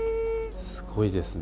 すごいですね。